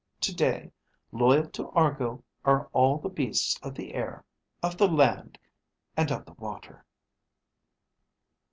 Today, loyal to Argo, are all the beasts of the air, of the land ... and of the water."